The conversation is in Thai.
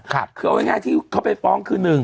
คือเอาง่ายที่เขาไปฟ้องคือหนึ่ง